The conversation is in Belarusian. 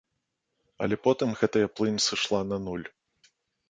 Але потым гэтая плынь сышла на нуль.